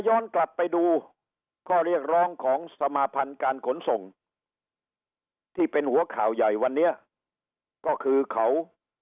ย้อนกลับไปดูข้อเรียกร้องของสมาพันธ์การขนส่งที่เป็นหัวข่าวใหญ่วันนี้ก็คือเขา